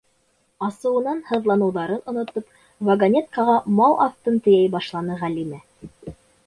Асыуынан һыҙланыуҙарын онотоп, вагонеткаға мал аҫтын тейәй башланы Ғәлимә.